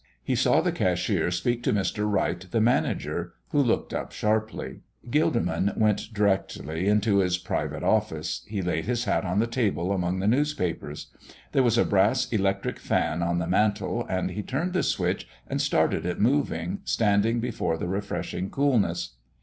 He saw the cashier speak to Mr. Wright, the manager, who looked up sharply. Gilderman went directly into his private office. He laid his hat on the table among the newspapers. There was a brass electric fan on the mantel, and he turned the switch and started it moving, standing before the refreshing coolness.